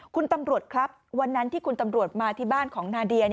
คุณตำรวจครับวันนั้นที่คุณตำรวจมาที่บ้านของนาเดีย